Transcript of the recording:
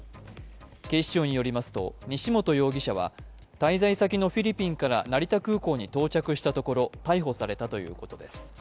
警視庁によりますと、西本容疑者は滞在先のフィリピンから成田空港に到着したところ逮捕されたということです。